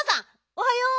おはよう。